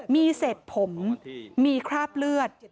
มีเศษผมมีคราบเลือด